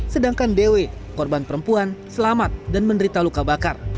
sedangkan dw korban perempuan selamat dan menderita luka bakar